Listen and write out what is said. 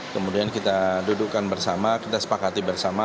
kemudian kita dudukkan bersama kita sepakati bersama